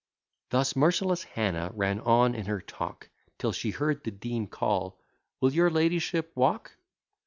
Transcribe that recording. Thus merciless Hannah ran on in her talk, Till she heard the Dean call, "Will your ladyship walk?"